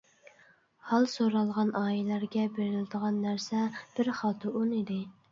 ھال سورالغان ئائىلىلەرگە بېرىلىدىغان نەرسە بىر خالتا ئۇن ئىدى.